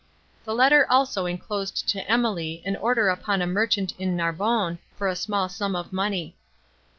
The letter also inclosed to Emily an order upon a merchant at Narbonne, for a small sum of money.